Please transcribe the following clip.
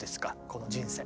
この人生。